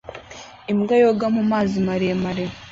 Imbwa yoga mu mazi maremare